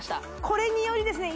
これによりですね